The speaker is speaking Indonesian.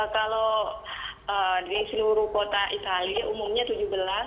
kalau di seluruh kota italia umumnya tujuh belas